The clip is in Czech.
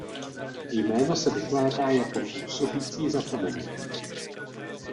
Jméno se vykládá jako "„Působící zapomenutí“".